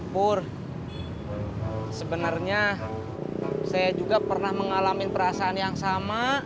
bur sebenarnya saya juga pernah mengalami perasaan yang sama